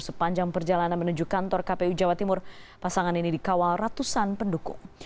sepanjang perjalanan menuju kantor kpu jawa timur pasangan ini dikawal ratusan pendukung